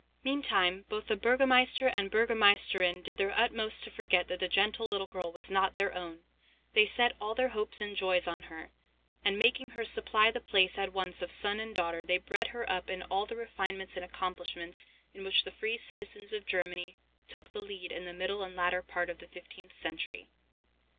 Meantime, both the burgomeister and burgomeisterinn did their utmost to forget that the gentle little girl was not their own; they set all their hopes and joys on her, and, making her supply the place at once of son and daughter, they bred her up in all the refinements and accomplishments in which the free citizens of Germany took the lead in the middle and latter part of the fifteenth century.